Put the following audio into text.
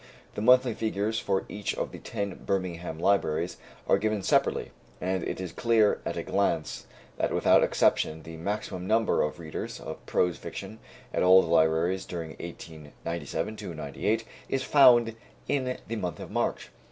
The monthly figures for each of the ten Birmingham libraries are given separately, and it is clear at a glance that without exception the maximum number of readers of prose fiction at all the libraries during 1897 98 is found in the month of March.